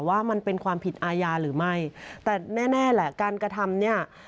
ว่ามันเป็นความผิดอาญาหรือไม่แต่แน่แน่แหละการกระทำเนี่ย